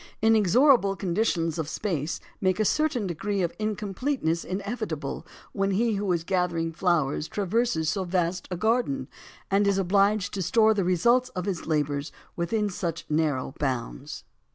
Inexorable conditions of space make a certain degree of incompleteness in evitable when he who is gathering flowers traverses so vast a garden, and is obliged to store the results of his labors within such narrow bounds.